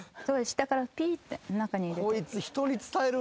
下からピーって中に入れて。